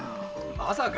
まさか？